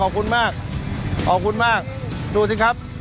อุโอเคขอบคุณมากดูซิครับ